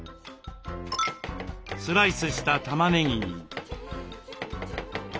スライスしたたまねぎに。